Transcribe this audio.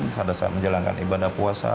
misalnya saya menjalankan ibadah puasa